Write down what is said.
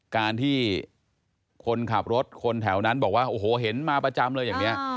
การที่คนขับรถคนแถวนั้นบอกว่าโอ้โหเห็นมาประจำเลยอย่างนี้